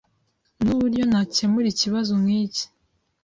Nuburyo nakemura ikibazo nkiki.